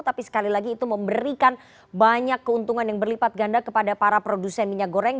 tapi sekali lagi itu memberikan banyak keuntungan yang berlipat ganda kepada para produsen minyak goreng